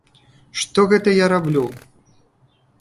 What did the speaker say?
Што гэта я раблю?